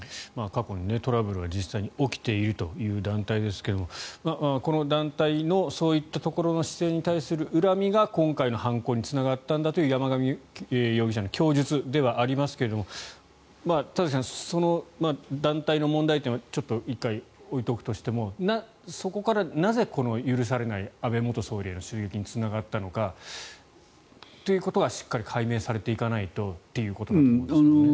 過去にトラブルが実際に起きているという団体ですけれどもこの団体のそういったところの姿勢に対する恨みが今回の犯行につながったんだという山上容疑者の供述ではありますが田崎さんその団体の問題というのはちょっと１回置いておくとしてもそこからなぜ、許されない安倍元総理の襲撃につながったのかということがしっかり解明されていかないとということですね。